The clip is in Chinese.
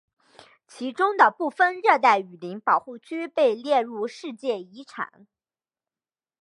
其中的部分热带雨林保护区被列入世界遗产。